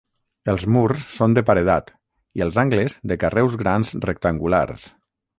Els murs són de paredat i els angles de carreus grans rectangulars.